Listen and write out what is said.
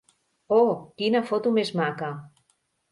Oh, quina foto més maca!